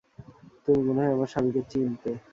তুমি মনে হয় আমার স্বামীকে চিনতে।